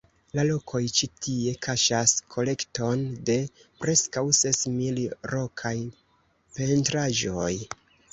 La rokoj ĉi tie kaŝas kolekton de preskaŭ ses mil rokaj pentraĵoj.